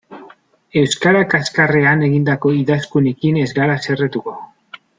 Euskara kaxkarrean egindako idazkunekin ez gara haserretuko.